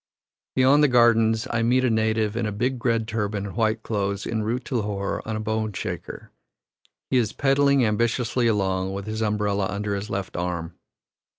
Beyond the gardens, I meet a native in a big red turban and white clothes, en route to Lahore on a bone shaker. He is pedalling ambitiously along, with his umbrella under his left arm.